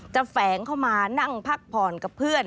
แฝงเข้ามานั่งพักผ่อนกับเพื่อน